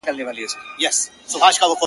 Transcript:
دا مي روزگار دى دغـه كــار كــــــومـــه_